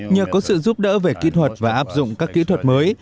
nhờ có sự giúp đỡ về kỹ thuật và áp dụng các kỹ thuật mới